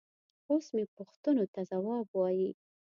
اوس مې پوښتنو ته ځواب وايي.